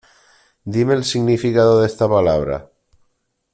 Dime el significado de esta palabra.